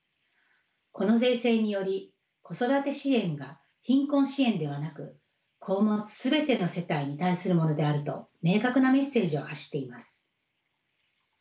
この税制により子育て支援が貧困支援ではなく子を持つ全ての世帯に対するものであると明確なメッセージを発しています。